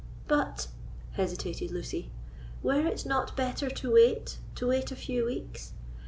"But," hesitated Lucy, "were it not better to wait—to wait a few weeks?